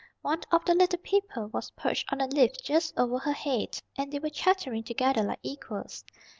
One of the Little People was perched on a leaf just over her head, and they were chattering together like equals.